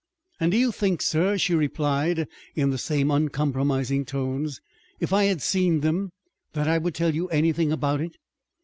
"And do you think, sir," she replied in the same uncompromising tones, "if I had seen them that I would tell you anything about it?"